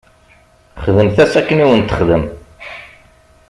Xdemt-as akken i wen-texdem.